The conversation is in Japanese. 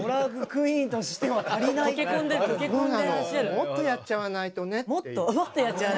もっとやっちゃわないとねっていう。